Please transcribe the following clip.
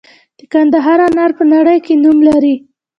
د کندهار انار په نړۍ کې نوم لري.